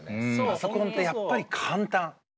パソコンってやっぱり簡単！